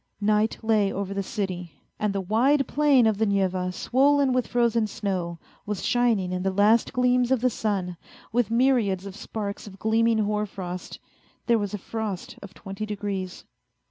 ... Night lay over the city, and the wide plain of the Neva, swollen with frozen snow, was shining in the last gleams of the sun with myriads of sparks of gleaming hoar frost. There was a frost of twenty degrees.